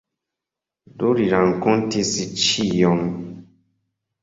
Do li rakontis ĉion.